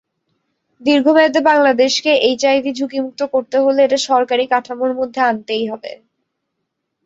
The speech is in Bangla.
দীর্ঘমেয়াদে বাংলাদেশকে এইচআইভি ঝুঁকিমুক্ত করতে হলে এটা সরকারি কাঠামোর মধ্যে আনতেই হবে।